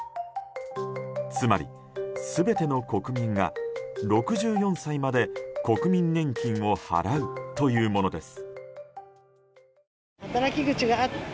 つまり、全ての国民が６４歳まで国民年金を払うというものです。